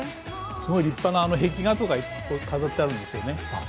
立派な壁画とか飾ってあるんですよね。